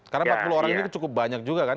karena empat puluh orang ini cukup banyak juga kan